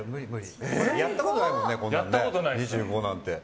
やったことないもんね２５なんて。